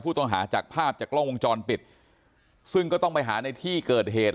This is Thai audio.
จากภาพจากกล้องวงจรปิดซึ่งก็ต้องไปหาในที่เกิดเหตุ